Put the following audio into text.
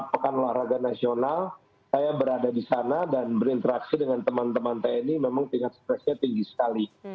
pekan olahraga nasional saya berada di sana dan berinteraksi dengan teman teman tni memang tingkat stresnya tinggi sekali